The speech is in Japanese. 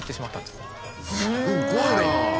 すごいなあ！